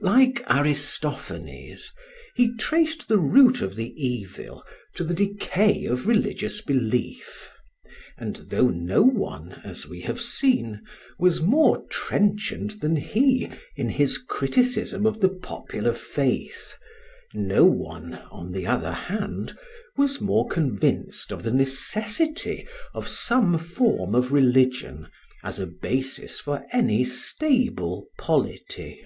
Like Aristophanes, he traced the root of the evil to the decay of religious belief; and though no one, as we have seen, was more trenchant than he in his criticism of the popular faith, no one, on the other hand, was more convinced of the necessity of some form of religion as a basis for any stable polity.